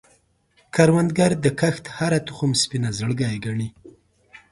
کروندګر د کښت هره تخم سپینه زړګی ګڼي